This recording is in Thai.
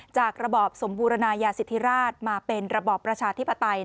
ระบอบสมบูรณายาสิทธิราชมาเป็นระบอบประชาธิปไตย